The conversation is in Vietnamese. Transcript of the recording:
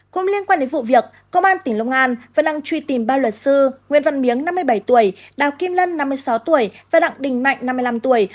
cũng liên quan đến vụ việc công an tỉnh long an vẫn đang truy tìm ba luật sư nguyễn văn miếng năm mươi bảy tuổi đào kim lân năm mươi sáu tuổi và đặng đình mạnh năm mươi năm tuổi